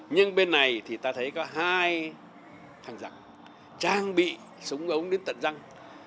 nhưng bên này thì ta thấy có hai thành giặc trang bị súng ống đến tận răng